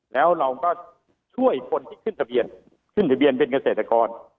แล้วเราก็ช่วยคนที่ขึ้นทะเบียนขึ้นทะเบียนเป็นเกษตรกร